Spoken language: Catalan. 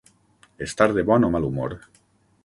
Estar de bon o mal humor.